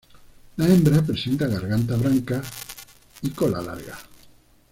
La hembra presenta garganta branca y cola larga.